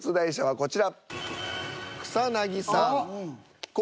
こちら。